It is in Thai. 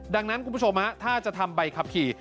ดังนั้นคุณผู้ชมถ้าจะทำใบขับขี่